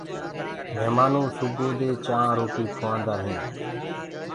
مِهمآنو چآنه روٽيٚ کُوآندآ هينٚ